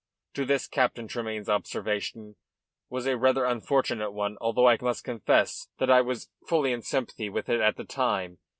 To this Captain Tremayne's observation was a rather unfortunate one, although I must confess that I was fully in sympathy with it at the time.